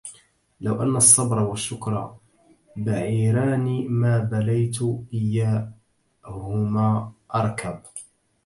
لو أن الصبر و الشكر بعيران، ما بليت إيهما أركب.